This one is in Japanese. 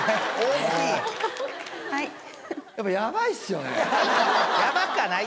はい。